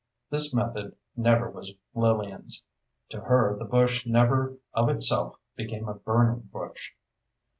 This method never was Lillian's. To her, the bush never of itself became a burning bush.